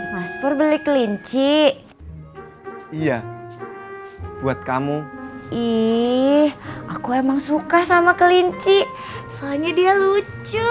mas pur beli kelinci iya buat kamu ih aku emang suka sama kelinci soalnya dia lucu